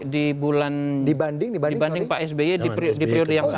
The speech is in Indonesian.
dibanding pak sby di periode yang sama